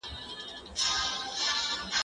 هغه څوک چي کالي مينځي منظم وي!؟